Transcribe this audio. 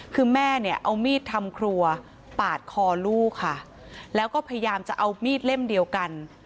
คือแม่เนี่ยเอามีดทำครัวปาดคอลูกค่ะแล้วก็พยายามจะเอามีดเล่มเดียวกัน